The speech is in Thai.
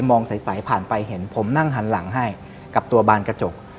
มองใสผ่านไปเห็นผมนั่งหันหลังให้กับตัวบานกระจก